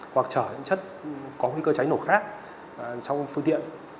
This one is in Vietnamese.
hoặc chở những chất có nguy cơ cháy nổ khác trong phương tiện